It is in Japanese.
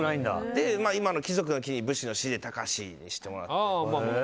今の貴族の貴に武士の士でたかしにしてもらって。